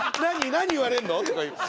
何言われんの？」とか言う。